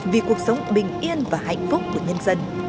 vì cuộc sống bình yên và hạnh phúc của nhân dân